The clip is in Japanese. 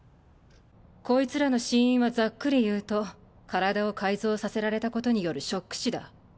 こいつらの死因はざっくり言うと体を改造させられたことによるショック死だ。